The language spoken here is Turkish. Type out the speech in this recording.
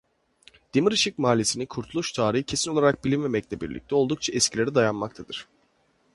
Demirışık Mahallesi'nin kuruluş tarihi kesin olarak bilinmemekle birlikte oldukça eskilere dayanmaktadır.